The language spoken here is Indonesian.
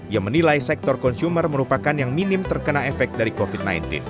ia menilai sektor consumer merupakan yang minim terkena efek dari covid sembilan belas